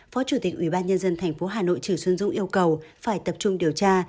phó chủ tịch ubnd thành phố hà nội trừ xuân dũng yêu cầu phải tập trung điều tra